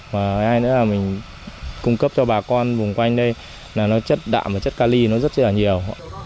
và hai nữa là mình cung cấp cho bà con vùng quanh đây là nó chất đạm và chất ca ly nó rất là nhiều